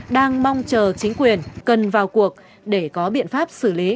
đang mong chờ chính quyền cần vào cuộc để có biện pháp xử lý